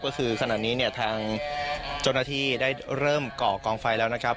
ก็คือขณะนี้เนี่ยทางเจ้าหน้าที่ได้เริ่มก่อกองไฟแล้วนะครับ